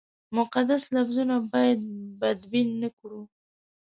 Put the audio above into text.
مقدس لفظونه باید بدبین نه کړو.